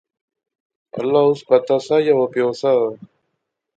اللہ اس پتہ سا یا او پیو سا